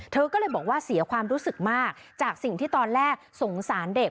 เธอก็เลยบอกว่าเสียความรู้สึกมากจากสิ่งที่ตอนแรกสงสารเด็ก